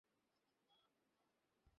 বেশ, এখান থেকে চলো, টনি।